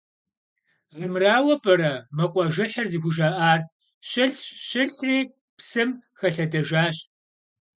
Armıraue p'ere mı khuajjehır zıxujja'ar: «Şılhş, şılhri psım xelhedejjaş».